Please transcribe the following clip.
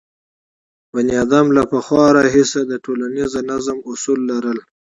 بنیادم له پخوا راهیسې د ټولنیز نظم اصول لرل.